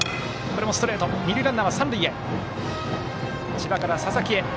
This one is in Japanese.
千葉から佐々木へ。